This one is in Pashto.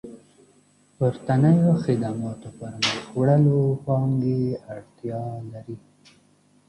پورتنيو خدماتو پرمخ وړلو پانګې اړتيا لري.